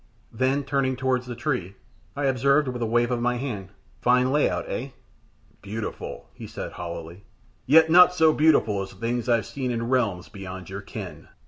Then turning towards the tree, I observed, with a wave of the hand, "Fine lay out, eh?" "Beautiful," he said, hollowly. "Yet not so beautiful as things I've seen in realms beyond your ken."